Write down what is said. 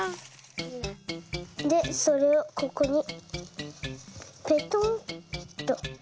でそれをここにペトッと。